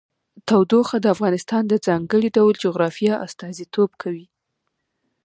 تودوخه د افغانستان د ځانګړي ډول جغرافیه استازیتوب کوي.